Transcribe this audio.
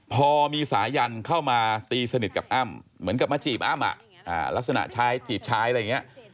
พอมีสายันเข้ามาตีสนิทกับอ้ำเหมือนกับมาจีบอ้ำลักษณะใช้จีบชายอะไรอย่างนี้